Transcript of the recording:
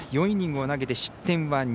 ４イニングを投げて失点は２。